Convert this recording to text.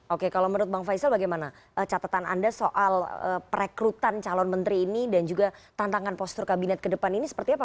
oke kalau menurut bang faisal bagaimana catatan anda soal perekrutan calon menteri ini dan juga tantangan postur kabinet ke depan ini seperti apa